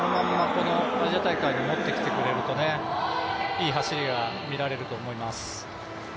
このアジア大会に持ってきてくれるといい走りが見られると思います。